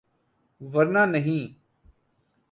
‘ ورنہ نہیں۔